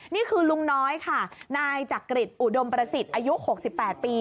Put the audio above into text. นี่คือลุงน้อยค่ะนายจักริจอุดมประสิทธิ์อายุ๖๘ปี